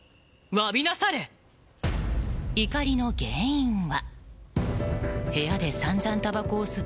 怒りの原因は？